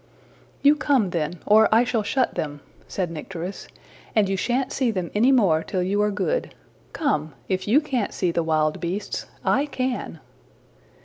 '' ``You come then, or I shall shut them,'' said Nycteris, ``and you shan't see them anymore till you are good. Come. If you can't see the wild beasts, I can.''